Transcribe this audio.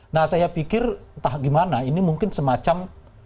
nah saya pikir entah gimana ini mungkin semacam